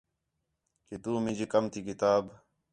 کہ تُو مینجی کم تی کتاب